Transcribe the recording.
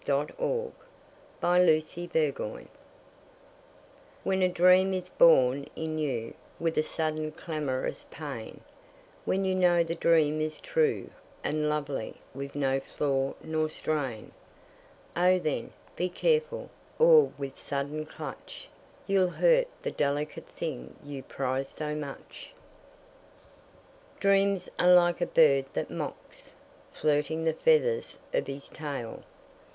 W X . Y Z A Pinch of Salt WHEN a dream is born in you With a sudden clamorous pain, When you know the dream is true And lovely, with no flaw nor strain, O then, be careful, or with sudden clutch You'll hurt the delicate thing you prize so much. Dreams are like a bird that mocks, Flirting the feathers of his tail.